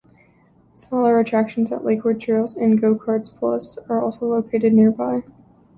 Smaller attractions at Lakewood Trails and Go-Karts Plus are also located nearby.